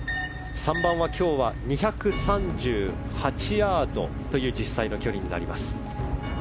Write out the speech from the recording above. ３番は今日は２３８ヤードという実際の距離になります。